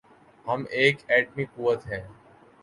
ہم ایک ایٹمی قوت ہیں۔